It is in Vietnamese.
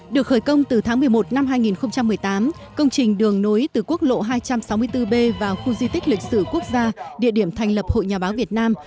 được khởi công từ tháng một mươi một năm hai nghìn một mươi tám công trình đường nối từ quốc lộ hai trăm sáu mươi bốn b vào khu di tích lịch sử quốc gia địa điểm thành lập hội nhà báo việt nam